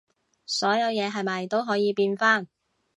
所有嘢係咪都可以變返